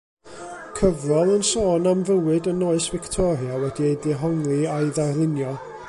Cyfrol yn sôn am fywyd yn oes Victoria wedi ei ddehongli a'i ddarlunio.